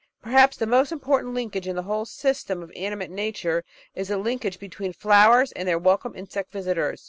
Perhaps the most important linkage in the whole system of animate nature is the linkage between flowers and their welcome insect visitors.